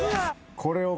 これを。